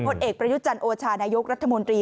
หลวดเอกประยุจรรย์โอชานายกรัฐมนตรี